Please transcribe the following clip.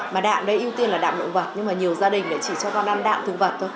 mà đạm đấy ưu tiên là đạm động vật nhưng mà nhiều gia đình lại chỉ cho con ăn đạm thực vật thôi